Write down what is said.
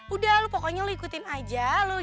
udah lo pokoknya lo ikutin aja